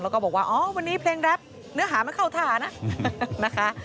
แล้วก็บอกว่าอ๋อวันนี้เพลงแรปเนื้อหามันเข้าฐานะนะคะ